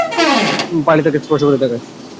পারলে তাকে স্পর্শ করে দেখাস।